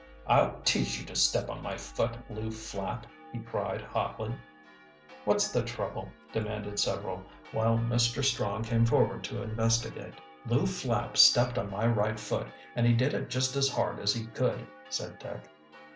"I'll teach you to step on my foot, Lew Flapp!" he cried hotly. "What's the trouble?" demanded several, while Mr. Strong came forward to investigate. "Lew Flapp stepped on my right foot, and he did it just as hard as he could," said Dick.